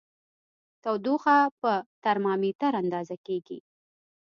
تودوخه په ترمامیتر اندازه کېږي.